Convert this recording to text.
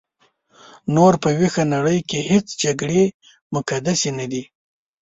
نور په ویښه نړۍ کې هیڅ جګړې مقدسې نه دي.